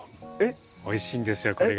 おいしいんですよこれが。